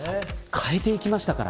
変えてきましたから。